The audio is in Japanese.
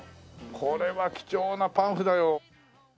これは貴重なパンフだよ。